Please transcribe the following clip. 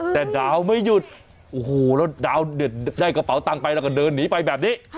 แต่ดาวไม่หยุดโอ้โหแล้วดาวเด็ดได้กระเป๋าตังค์ไปแล้วก็เดินหนีไปแบบนี้